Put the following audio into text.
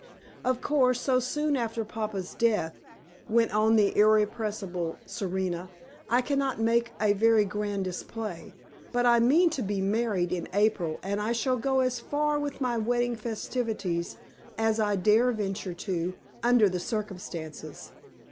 "Of course, so soon after papa's death," went on the irrepressible Serena, "I can not make a very grand display; but I mean to be married in April, and I shall go as far with my wedding festivities as I dare venture to, under the circumstances.